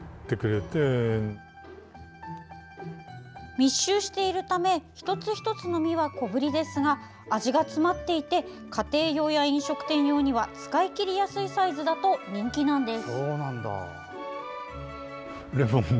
密集しているため一つ一つの実は小ぶりですが味が詰まっていて家庭用や飲食店用には使いきりやすいサイズだと人気なんです。